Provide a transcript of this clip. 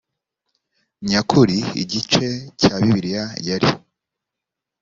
nyakuri igice cya bibiliya yari